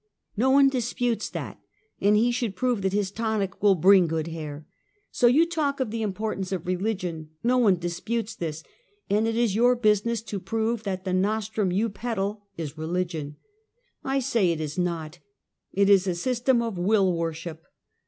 'No one disputes that, and he should prove that his tonic will bring good hair. So you talk of the importance of religion. Ko one disputes this, and it is your business to prove that the nostrum you peddle is religion. I say it is not. It is a system of will worship.